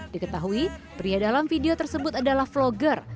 diketahui pria dalam video tersebut adalah vlogger